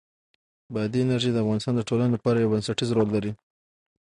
بادي انرژي د افغانستان د ټولنې لپاره یو بنسټيز رول لري.